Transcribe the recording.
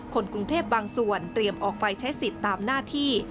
คนกรุงเทพบางส่วนเตรียมออกไปใช้สิทธิ์ตามหน้าที่